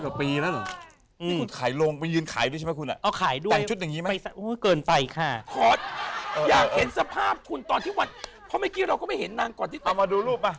นี่คือชีวิตประจำวันจริงใช่มั้ย